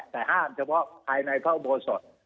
แต่ห้ามเฉพาะภายในพระอุโบสถ